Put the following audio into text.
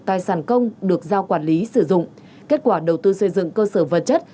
tài sản công được giao quản lý sử dụng kết quả đầu tư xây dựng cơ sở vật chất